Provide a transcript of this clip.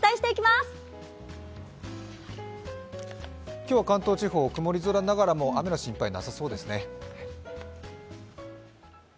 今日は関東地方、曇り空ながらも雨の心配はなさそうですね。